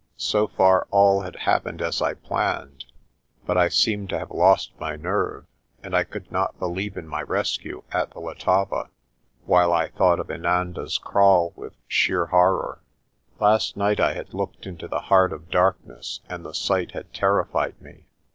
So far all had happened as I planned, but I seemed to have lost my nerve and I could not believe in my rescue at the Letaba, while I thought of Inanda's Kraal with sheer horror. Last night I had looked into the heart of darkness and the sight had terrified me.